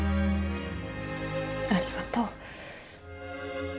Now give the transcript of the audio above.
ありがとう。